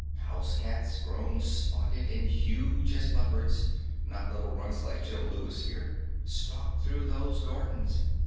Housecats grown spotted and huge as leopards (not little runts like Joe Louis here) stalk through those gardens.